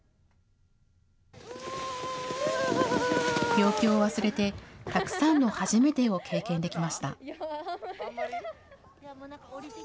病気を忘れて、たくさんの初めてを経験できました。